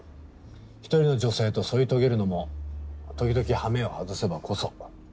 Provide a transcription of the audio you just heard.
１人の女性と添い遂げるのも時々羽目を外せばこそ。